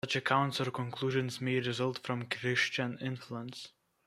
Such accounts or conclusions may result from Christian influence.